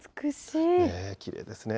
きれいですね。